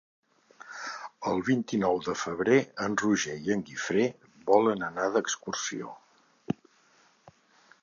El vint-i-nou de febrer en Roger i en Guifré volen anar d'excursió.